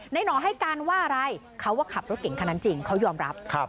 หน่อให้การว่าอะไรเขาว่าขับรถเก่งคันนั้นจริงเขายอมรับ